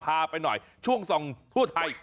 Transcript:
พาไปหน่อยช่วงส่องทั่วไทย